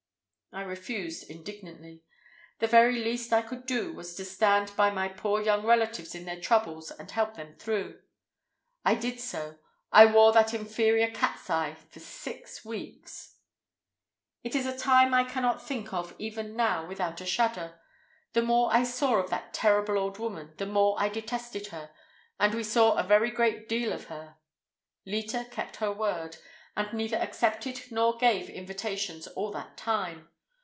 I refused indignantly. The very least I could do was to stand by my poor young relatives in their troubles and help them through. I did so. I wore that inferior cat's eye for six weeks! It is a time I cannot think of even now without a shudder. The more I saw of that terrible old woman the more I detested her, and we saw a very great deal of her. Leta kept her word, and neither accepted nor gave invitations all that time.